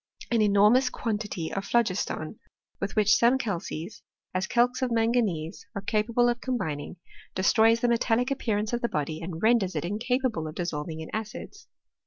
An enormous quantity of phlogiston with which some calces, as calx of manganese, are capable of combining, destroys the metallic appear ance of the body, and renders it incapable of dissolv ing in acids.